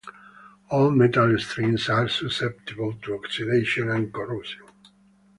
All metal strings are susceptible to oxidation and corrosion.